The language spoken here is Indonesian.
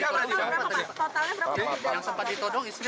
yang sempat ditodong istri